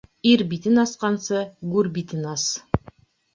Ир битен асҡансы, гүр битен ас.